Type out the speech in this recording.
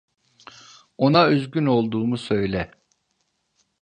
Ona üzgün olduğumu söyle.